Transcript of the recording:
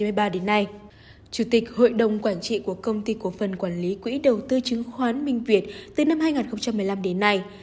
ông dũng là chủ tịch hội đồng quản trị của công ty cố phân quản lý quỹ đầu tư chứng khoán minh việt từ năm hai nghìn một mươi năm đến nay